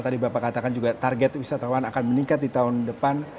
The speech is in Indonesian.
tadi bapak katakan juga target wisatawan akan meningkat di tahun depan